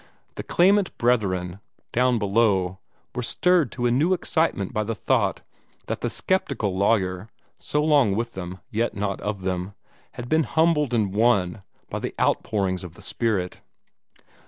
The clamant brethren down below were stirred to new excitement by the thought that the sceptical lawyer, so long with them, yet not of them, had been humbled and won by the outpourings of the Spirit.